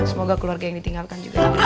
semoga keluarga yang ditinggalkan juga